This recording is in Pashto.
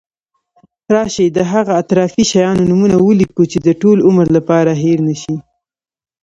راشي د هغه اطرافي شیانو نومونه ولیکو چې د ټول عمر لپاره هېر نشی.